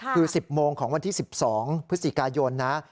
คือ๑๐โมงของวันที่๑๒พฤศจิกายนนะ